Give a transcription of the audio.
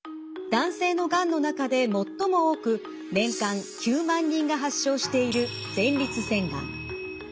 男性のがんの中で最も多く年間９万人が発症している前立腺がん。